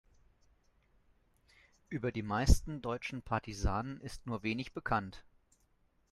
Über die meisten deutschen Partisanen ist nur wenig bekannt.